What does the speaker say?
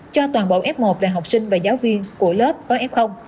cho toàn bộ f một là học sinh và giáo viên của lớp có f